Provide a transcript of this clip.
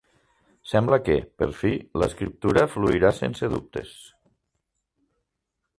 Sembla que, per fi, l'escriptura fluirà sense dubtes.